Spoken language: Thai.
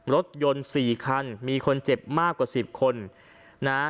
รถยนต์สี่คันมีคนเจ็บมากกว่าสิบคนนะฮะ